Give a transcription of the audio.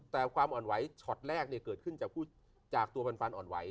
แต่ความอ่อนไหวช็อตแรกเกิดขึ้นจากตัวฟันอ่อนไหว